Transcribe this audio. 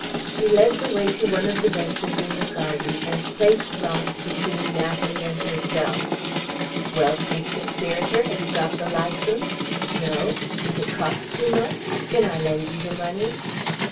She led the way to one of the benches in the garden, and placed Launce between Natalie and herself. "Well, Chief Conspirator, have you got the License? No? Does it cost too much? Can I lend you the money?"